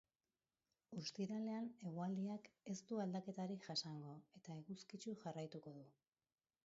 Ostiralean eguraldiak ez du aldaketarik jasango eta eguzkitsu jarraituko du.